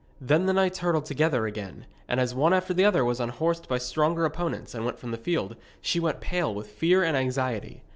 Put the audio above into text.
Then the knights hurtled together again, and as one after the other was unhorsed by stronger opponents and went from the field, she went pale with fear and anxiety.